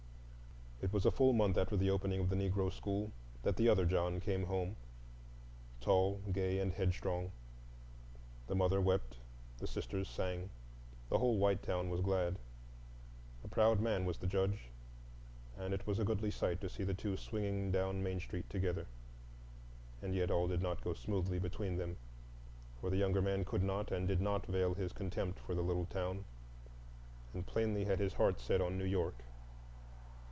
It was a full month after the opening of the Negro school that the other John came home, tall, gay, and headstrong. The mother wept, the sisters sang. The whole white town was glad. A proud man was the Judge, and it was a goodly sight to see the two swinging down Main Street together. And yet all did not go smoothly between them, for the younger man could not and did not veil his contempt for the little town, and plainly had his heart set on New York.